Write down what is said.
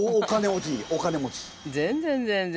全然全然。